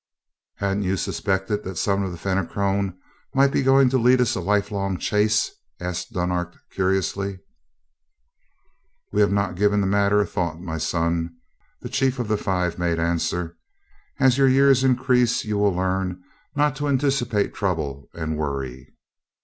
"Hadn't you suspected that some of the Fenachrone might be going to lead us a life long chase?" asked Dunark curiously. "We have not given the matter a thought, my son," the Chief of the Five made answer. "As your years increase, you will learn not to anticipate trouble and worry.